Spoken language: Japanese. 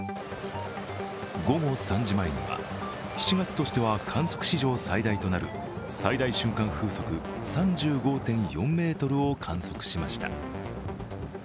午後３時前には７月としては観測史上最大となる最大瞬間風速３５．４メートルを観測しました。